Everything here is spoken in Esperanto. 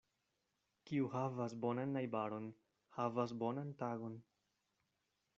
Kiu havas bonan najbaron, havas bonan tagon.